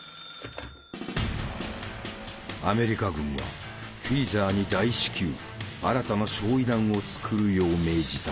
☎アメリカ軍はフィーザーに大至急新たな焼夷弾を作るよう命じた。